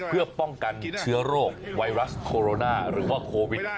เพื่อป้องกันเชื้อโรคไวรัสโคโรนาหรือว่าโควิด